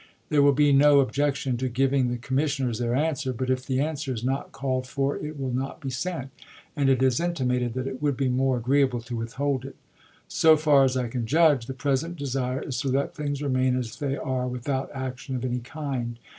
There will be no objection to giving the commissioners their answer ; but if the answer is not called for it will not be sent, and it is intimated that it would be more agreeable to withhold it. So far as I can judge, the present desire is to let things remain as they are, without action of any kind.